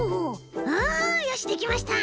うんよしできました。